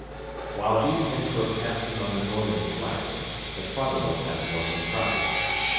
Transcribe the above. While these things were passing on the northern flank, the frontal attack was in progress.